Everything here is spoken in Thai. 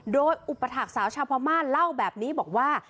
โดยอุปถาคสาวชาวพม่าเล่าแบบนี้บอกว่า